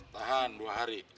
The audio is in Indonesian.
tahan dua hari